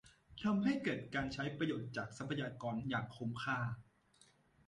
ทำให้เกิดการใช้ประโยชน์จากทรัพยากรอย่างคุ้มค่า